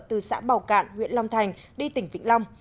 từ xã bảo cạn huyện long thành đi tỉnh vĩnh long